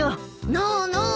ノーノー。